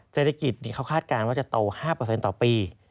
เศรษฐกิจเขาคาดการณ์ว่าจะโต๕ต่อปี